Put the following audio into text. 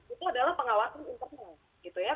itu adalah pengawasan internal